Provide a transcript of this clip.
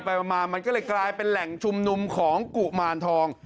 มามันก็เลยกลายเป็นแหล่งชุมนุมของกุมารทอง